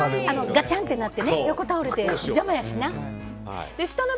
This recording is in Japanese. ガチャンって横に倒れて邪魔やしな。